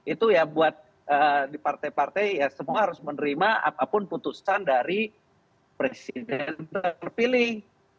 itu ya buat di partai partai ya semua harus menerima apapun putusan dari presiden terpilih